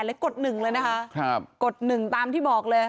แล้วกดหนึ่งเลยนะคะกดหนึ่งตามที่บอกเลย